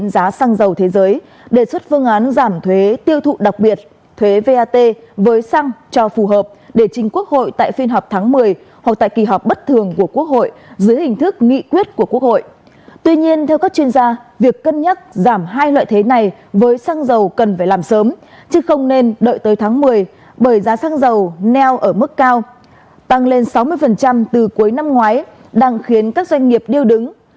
giá xăng dầu neo ở mức cao tăng lên sáu mươi từ cuối năm ngoái đang khiến các doanh nghiệp điêu đứng